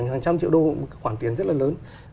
hàng trăm triệu đô là một cái khoản tiền rất là lớn